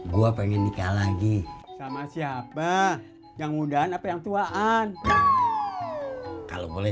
dari rumah bu nur